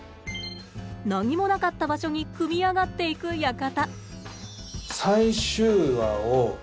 何もなかった場所に組み上がっていく館。